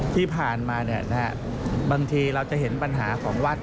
ที่ผ่านมาบางทีเราจะเห็นปัญหาของวัด